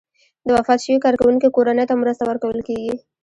د وفات شوي کارکوونکي کورنۍ ته مرسته ورکول کیږي.